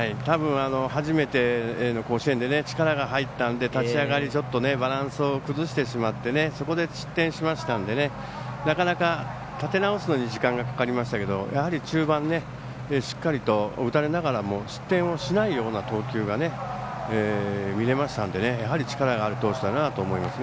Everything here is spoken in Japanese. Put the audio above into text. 初めての甲子園で力が入って、立ち上がりちょっとバランスを崩してしまってそこで失点しましたのでなかなか、立て直すのに時間がかかりましたけどやはり中盤、しっかりと打たれながらも失点をしないような投球が見れましたので、やはり力のある投手だなと思いました。